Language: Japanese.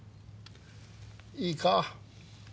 いいか？